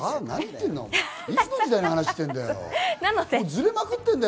いつの時代の話してんだよ！